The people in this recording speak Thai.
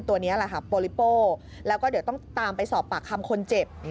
เข้าหลบครับต่อไปสอบปากคำคนเจ็บ